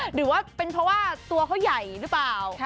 หรือว่าเป็นเพราะว่าตัวเขาใหญ่หรือเปล่า